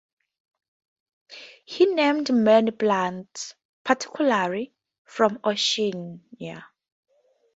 He named many plants, particularly from Oceania.